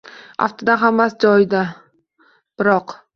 Aftidan hammasi joyida, biroq: